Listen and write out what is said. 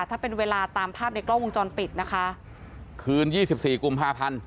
ถ้าเป็นเวลาตามภาพในกล้องวงจรปิดนะคะคืนยี่สิบสี่กุมภาพันธ์